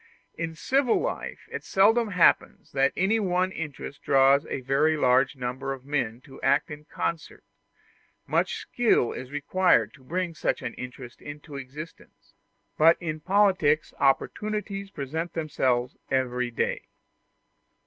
In civil life it seldom happens that any one interest draws a very large number of men to act in concert; much skill is required to bring such an interest into existence: but in politics opportunities present themselves every day.